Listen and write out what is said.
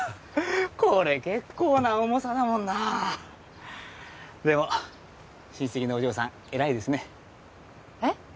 これ結構な重さだもんなでも親戚のお嬢さん偉いですねえっ？